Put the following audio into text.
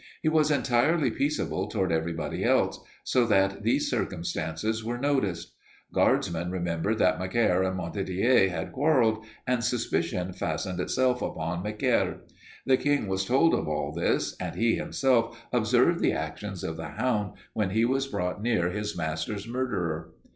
He was entirely peaceable toward everybody else, so that these circumstances were noticed. Guardsmen remembered that Macaire and Montdidier had quarreled and suspicion fastened itself upon Macaire. The King was told of all this and he himself observed the actions of the hound when he was brought near his master's murderer.